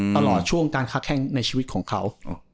ตลอดช่วงการค้าแข้งในชีวิตของเขา